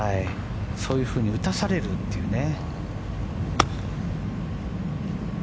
そういうふうに打たされるっていうね。